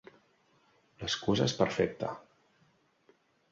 L'excusa és perfecta.